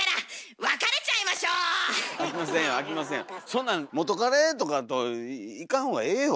そんなん元カレとかと行かんほうがええよ